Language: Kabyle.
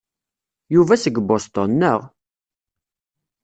Yuba seg Boston, naɣ?